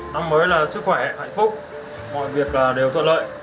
năm mới là sức khỏe hạnh phúc mọi việc đều thuận lợi